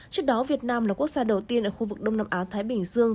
trước đó việt nam là quốc gia đầu tiên ở khu vực đông nam á thái bình dương